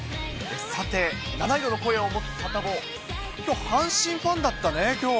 さて、七色の声を持つサタボー、きょう阪神ファンだったね、きょう。